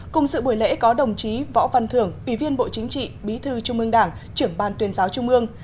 cùng sự buổi lễ có đồng chí võ văn thưởng ủy viên bộ chính trị bí thư trung ương đảng trưởng ban tuyên giáo trung ương